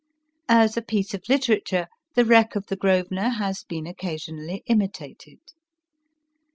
As a piece of literature, * The Wreck of the "Grosvenor" has been occasionally imitated.